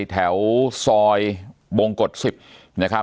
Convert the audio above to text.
แถวสอยบงกฎ๑๐